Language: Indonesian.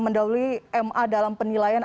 mendauli ma dalam penilaian